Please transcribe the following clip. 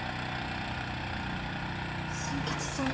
新吉さん？